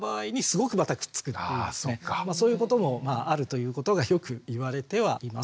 そういうこともあるということがよくいわれてはいます。